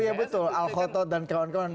oh ya betul al khotod dan kawan kawan